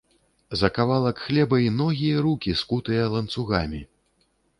За кавалак хлеба і ногі і рукі скутыя ланцугамі.